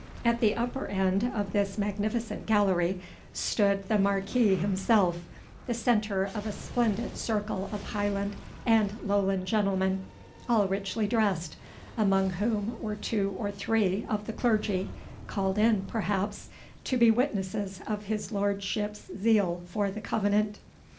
At the upper end of this magnificent gallery stood the Marquis himself, the centre of a splendid circle of Highland and Lowland gentlemen, all richly dressed, among whom were two or three of the clergy, called in, perhaps, to be witnesses of his lordship's zeal for the Covenant.